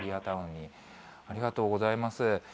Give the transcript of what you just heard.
ありがとうございます。